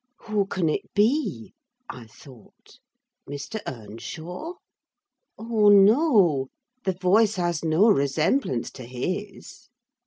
"Who can it be?" I thought. "Mr. Earnshaw? Oh, no! The voice has no resemblance to his."